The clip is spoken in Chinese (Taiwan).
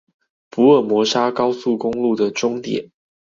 福爾摩沙高速公路的終點